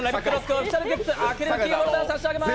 オフィシャルグッズのアクリルキーホルダーをプレゼントです！